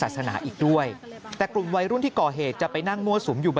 สนาอีกด้วยแต่กลุ่มวัยรุ่นที่ก่อเหตุจะไปนั่งมั่วสุมอยู่บน